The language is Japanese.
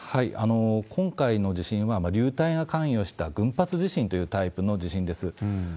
今回の地震は、流体が関与した群発地震というタイプの地震です。